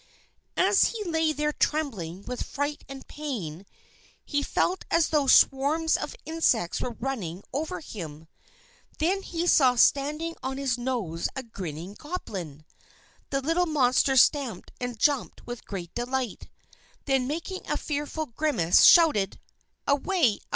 And as he lay there trembling with fright and pain, he felt as though swarms of insects were running over him. Then he saw standing on his nose a grinning Goblin. This little monster stamped and jumped with great delight; then making a fearful grimace, shouted: "_Away!